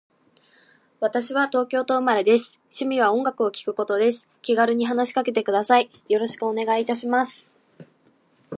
私は東京都生まれです。趣味は音楽を聴くことです。気軽に話しかけてください。よろしくお願いいたします。